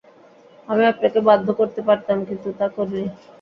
আমি আপনাকে বাধ্য করতে পারতাম, তা কিন্তু করিনি।